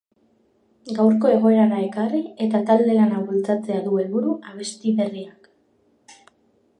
Gaurko egoerara ekarri eta talde lana bultzatzea du helburu abesti berriak.